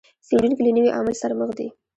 څېړونکي له نوي عامل سره مخ دي.